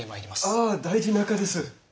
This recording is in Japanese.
ああ大事なかです。